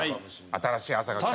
「新しい朝が来た」。